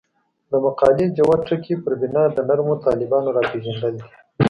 د مقالې جوت ټکی پر بنا د نرمو طالبانو راپېژندل دي.